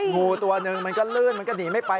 งูตัวหนึ่งมันก็ลื่นมันก็หนีไม่ไป